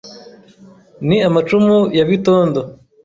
Ni amacumu ya Bitondo